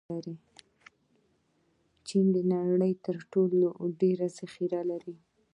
چین د نړۍ تر ټولو ډېر ذخیره لري.